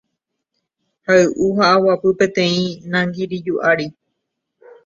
hay'u ha aguapy peteĩ nangiriju ári.